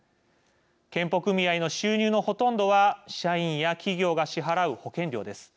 健保組合の収入のほとんどは社員や企業が支払う保険料です。